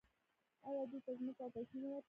آیا دوی ته ځمکه او پیسې نه ورکوي؟